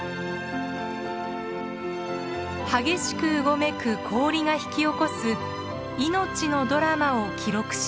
激しくうごめく氷が引き起こす命のドラマを記録しました。